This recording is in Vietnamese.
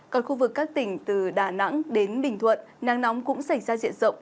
còn khu vực các tỉnh từ đà nẵng đến bình thuận nắng nóng cũng xảy ra diện rộng